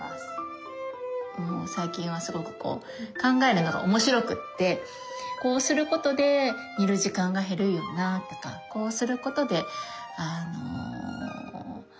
もう最近はすごくこう考えるのが面白くてこうすることで煮る時間が減るよなとかこうすることで電気は使わないなとか。